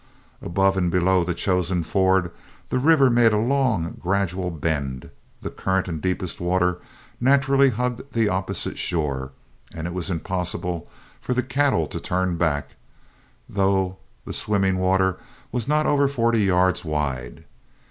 Above and below the chosen ford, the river made a long gradual bend, the current and deepest water naturally hugged the opposite shore, and it was impossible for the cattle to turn back, though the swimming water was not over forty yards wide.